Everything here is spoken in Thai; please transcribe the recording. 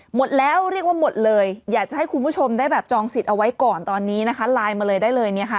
หมดแล้วเรียกว่าหมดเลยอยากจะให้คุณผู้ชมได้แบบจองสิทธิ์เอาไว้ก่อนตอนนี้นะคะไลน์มาเลยได้เลยเนี่ยค่ะ